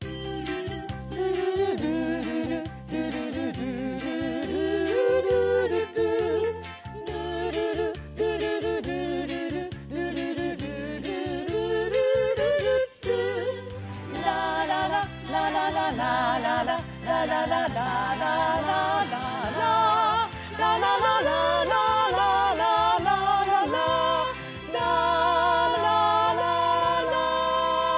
「ルルルルールルルルル」「ルールールールールールル」「ルールルルルルルールルルルル」「ルールールールールルルー」「ラーララララララーラララララ」「ラーラーラーラーラー」「ララララーラーラーラーラーララ」「ラーラーラーラー」